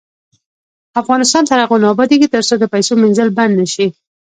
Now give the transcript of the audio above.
افغانستان تر هغو نه ابادیږي، ترڅو د پیسو مینځل بند نشي.